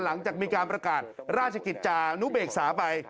หลังจากมีการประกาศราชกิจจานุเบกษาไป